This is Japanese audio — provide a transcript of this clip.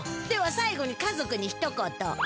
ではさい後に家族にひと言。